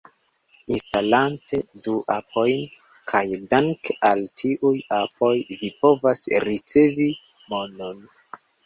Instalante du apojn, kaj danke al tiuj apoj vi povas ricevi monon